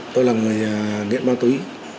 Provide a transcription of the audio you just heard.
tôi là người nghiện ma túy